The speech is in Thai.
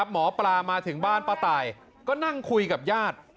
หมอปลามาถึงบ้านป้าตายก็นั่งคุยกับญาติ